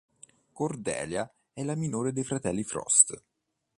Cordelia è la minore dei fratelli Frost.